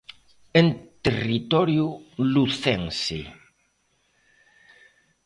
En territorio lucense.